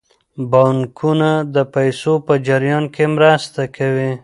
بانکونه د پیسو په جریان کې مرسته کوي.